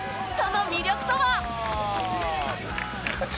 その魅力とは！？